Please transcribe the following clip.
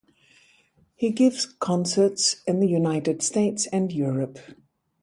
He gives concerts in the United States and Europe.